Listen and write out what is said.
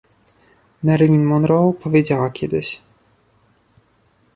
Marilyn Monroe powiedziała kiedyś